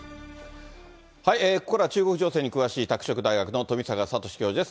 ここからは中国情勢に詳しい拓殖大学の富坂聰教授です。